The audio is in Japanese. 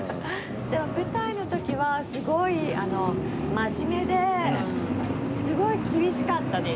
でも舞台の時はすごい真面目ですごい厳しかったです。